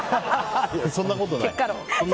そんなことない。